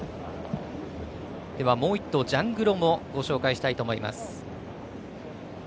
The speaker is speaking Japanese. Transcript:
もう１頭、ジャングロもご紹介したいと思います。